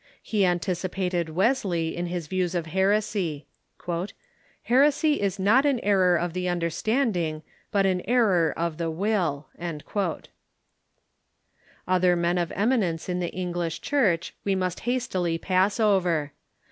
He anticipated Wesley in his views of heresy. " Heresy is not an error of the understanding, but an error of the will." Other men of eminence in the English Church we must hastily pass over.